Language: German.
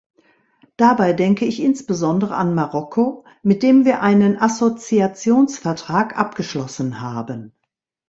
Dabei denke ich insbesondere an Marokko, mit dem wir einen Assoziationsvertrag abgeschlossen haben.